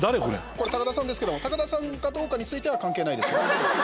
これ、高田さんですけど高田さんかどうかについては関係ないです。